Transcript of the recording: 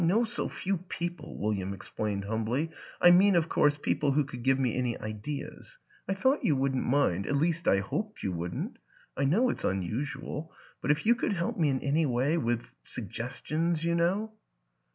" I know so few people," William explained humbly. " I mean, of course, people who could give me any ideas. ... I thought you wouldn't mind at least I hoped you wouldn't. ... I know it's unusual but if you could help me in any way? ... With suggestions, you know."